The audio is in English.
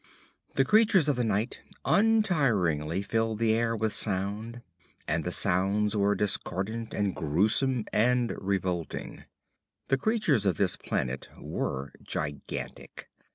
The creatures of the night untiringly filled the air with sound, and the sounds were discordant and gruesome and revolting. The creatures of this planet were gigantic.